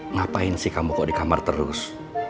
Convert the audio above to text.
ngapain sih kamu kok di kamar terus